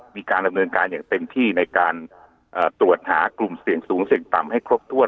มีการดำเนินการอย่างเต็มที่ในการตรวจหากลุ่มเสี่ยงสูงเสี่ยงต่ำให้ครบถ้วน